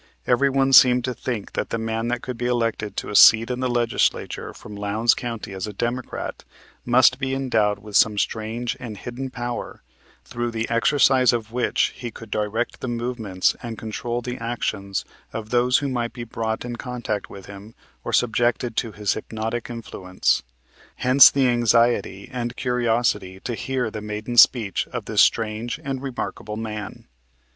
Every one seemed to think that the man that could be elected to a seat in the Legislature from Lowndes County as a Democrat, must be endowed with some strange and hidden power through the exercise of which he could direct the movements and control the actions of those who might be brought in contact with him or subjected to his hypnotic influence; hence the anxiety and curiosity to hear the maiden speech of this strange and remarkable man.